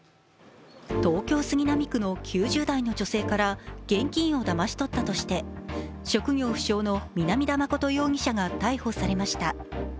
東京・杉並区の９０代の女性から現金をだまし取ったとして職業不詳の南田誠容疑者が逮捕されました。